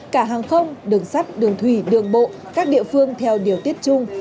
cả hàng không đường sắt đường thủy đường bộ các địa phương theo điều tiết chung